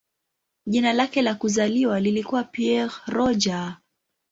Jina lake la kuzaliwa lilikuwa "Pierre Roger".